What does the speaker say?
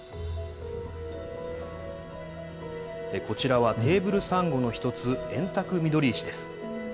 こちらは、テーブルサンゴの一つ、エンタクミドリイシです。